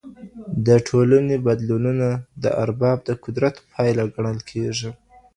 د ټولني بدلونونه د ارباب د قدرت پايله ګڼل کيږي.